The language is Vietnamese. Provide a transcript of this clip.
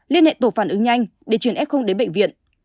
liên hệ tổ phản ứng nhanh để chuyển f đến bệnh viện